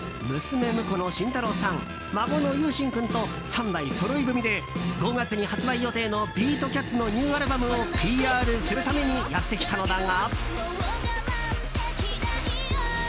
娘婿の慎太郎さん、孫の由真君と３代そろい踏みで５月に発売予定のビートキャッツのニューアルバムをＰＲするためにやってきたのだが。